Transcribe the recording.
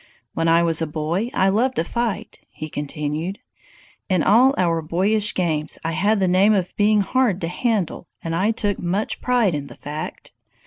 "When I was a boy, I loved to fight," he continued. "In all our boyish games I had the name of being hard to handle, and I took much pride in the fact.